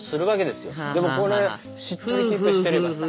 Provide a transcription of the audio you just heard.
でもこれしっとりキープしてればさ。